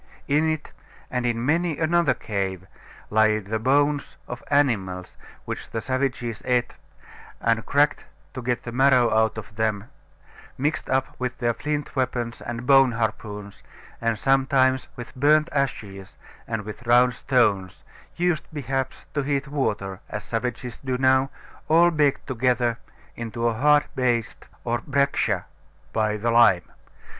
In it, and in many another cave, lie the bones of animals which the savages ate, and cracked to get the marrow out of them, mixed up with their flint weapons and bone harpoons, and sometimes with burnt ashes and with round stones, used perhaps to heat water, as savages do now, all baked together into a hard paste or breccia by the lime.